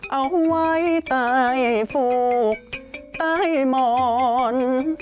เอาไว้ใต้ฝูกใต้หมอน